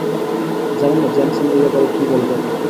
জানিনা জেনসেন এই ব্যাপারে কী বলবেন!